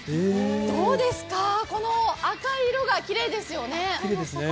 どうですか、この赤い色がきれいですよね。